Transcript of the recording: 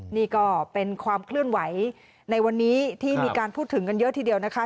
นี่ก็เป็นความเคลื่อนไหวในวันนี้ที่มีการพูดถึงกันเยอะทีเดียวนะคะ